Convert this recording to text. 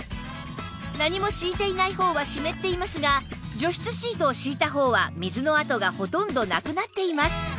何も敷いていない方は湿っていますが除湿シートを敷いた方は水の跡がほとんどなくなっています